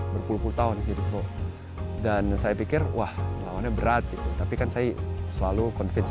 berpuluh puluh tahun gitu dan saya pikir wah lawannya berat gitu tapi kan saya selalu convince